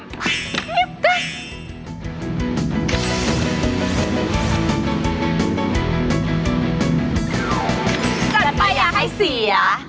จัดไปอย่าให้เสีย